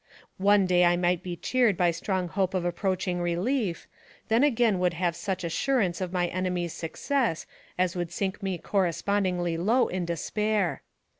One day I might be cheered by strong hope of approach ing relief, then again would have such assurance of my enemies 7 success as would sink me correspondingly low in despair.